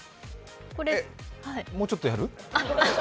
もうちょっとやる？